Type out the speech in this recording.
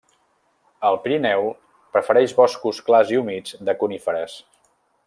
Al Pirineu, prefereix boscos clars i humits de coníferes.